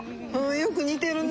よく似てるね。